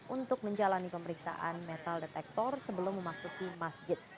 untuk menjalani pemeriksaan metal detektor sebelum memasuki masjid